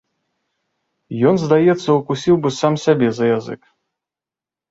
Ён, здаецца, укусіў бы сам сябе за язык.